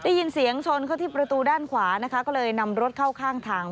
ได้ยินเสียงชนเข้าที่ประตูด้านขวานะคะก็เลยนำรถเข้าข้างทาง